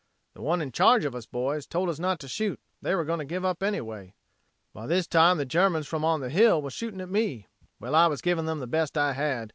The one in charge of us boys told us not to shoot, they were going to give up anyway. "By this time the Germans from on the hill was shooting at me. Well I was giving them the best I had.